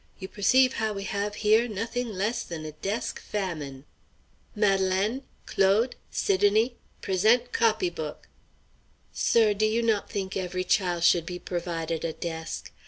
You perceive how we have here nothing less than a desk famine. Madelaine! Claude! Sidonie! present copy book'! Sir, do you not think every chile should be provided a desk?